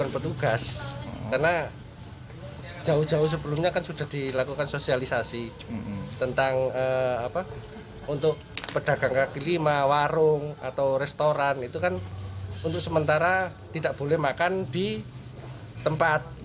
pedagang kelima warung atau restoran itu kan untuk sementara tidak boleh makan di tempat